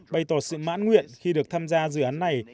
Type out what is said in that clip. bày tỏ sự mãn nguyện khi được tham gia dự án này